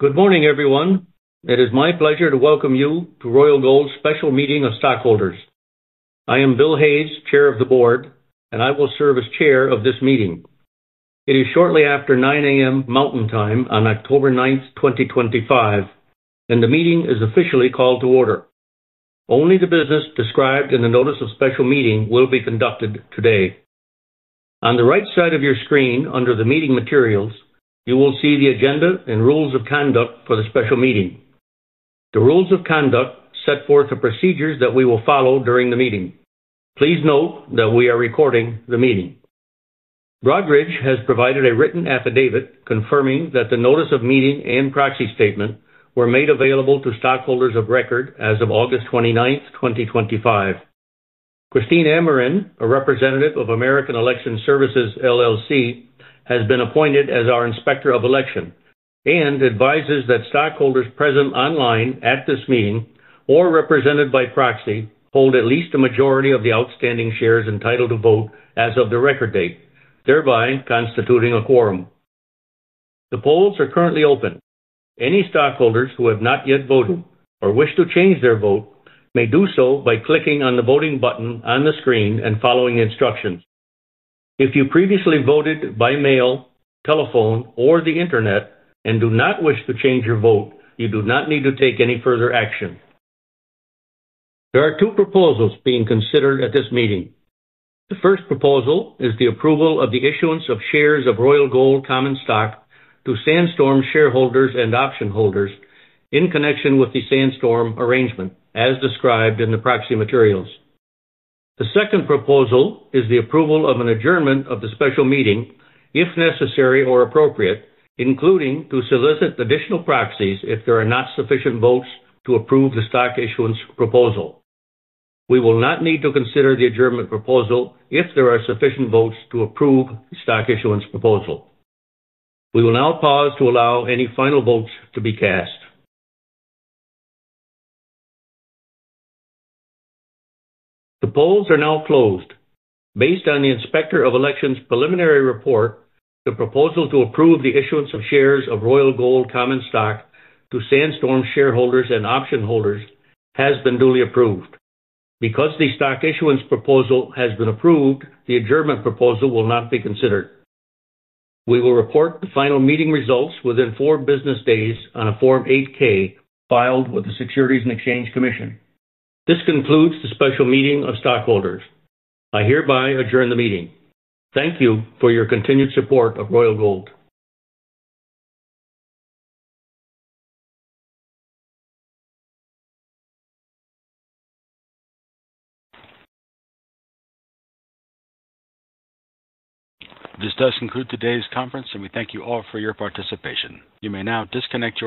Good morning, everyone. It is my pleasure to welcome you to Royal Gold's special meeting of stockholders. I am Bill Heissenbuttel, Chair of the Board, and I will serve as Chair of this meeting. It is shortly after 9:00 A.M. Mountain Time on October 9, 2025, and the meeting is officially called to order. Only the business described in the notice of special meeting will be conducted today. On the right side of your screen, under the meeting materials, you will see the agenda and rules of conduct for the special meeting. The rules of conduct set forth the procedures that we will follow during the meeting. Please note that we are recording the meeting. Broadridge has provided a written affidavit confirming that the notice of meeting and proxy statement were made available to stockholders of record as of August 29, 2025. Christine Amerin, a representative of American Election Services LLC, has been appointed as our Inspector of Election and advises that stockholders present online at this meeting or represented by proxy hold at least a majority of the outstanding shares entitled to vote as of the record date, thereby constituting a quorum. The polls are currently open. Any stockholders who have not yet voted or wish to change their vote may do so by clicking on the voting button on the screen and following instructions. If you previously voted by mail, telephone, or the Internet and do not wish to change your vote, you do not need to take any further action. There are two proposals being considered at this meeting. The first proposal is the approval of the issuance of shares of Royal Gold common stock to Sandstorm shareholders and option holders in connection with the Sandstorm arrangement as described in the proxy materials. The second proposal is the approval of an adjournment of the special meeting, if necessary or appropriate, including to solicit additional proxies if there are not sufficient votes to approve the stock issuance proposal. We will not need to consider the adjournment proposal if there are sufficient votes to approve the stock issuance proposal. We will now pause to allow any final votes to be cast. The polls are now closed. Based on the Inspector of Election's preliminary report, the proposal to approve the issuance of shares of Royal Gold common stock to Sandstorm shareholders and option holders has been duly approved. Because the stock issuance proposal has been approved, the adjournment proposal will not be considered. We will report the final meeting results within four business days on a Form 8-K filed with the Securities and Exchange Commission. This concludes the special meeting of stockholders. I hereby adjourn the meeting. Thank you for your continued support of Royal Gold. This does conclude today's conference, and we thank you all for your participation. You may now disconnect.